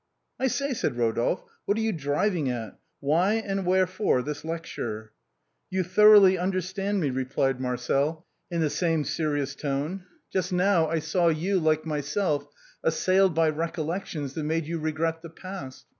" I say," said Eodolphe, " what are you driving at ? Why and wherefore this lecture ?"" You thoroughly understand me," replied Marcel, in the EPILOGUE TO THE LOVES OP RODOLPHE AND MIMI. 321 same serious tone. " Just now I saw you, like myself, as sailed by recollections that made you regret the past.